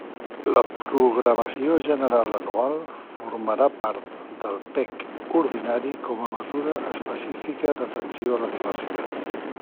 La programació general anual formarà part del PEC ordinari, com a mesura específica d'atenció a la diversitat.